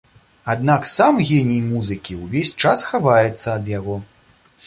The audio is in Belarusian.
Аднак сам геній музыкі ўвесь час хаваецца ад яго.